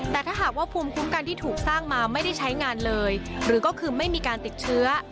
แต่ถ้าหากว่าภูมิคุ้มกันที่ถูกสร้างมาไม่ได้ใช้งานเลยหรือก็คือไม่มีการติดเชื้อ